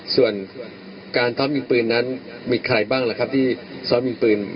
ส่วนการซ้อมยิงปืนนั้นมีใครบ้างล่ะครับที่ซ้อมยิงปืน